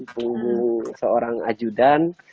punggung seorang ajudan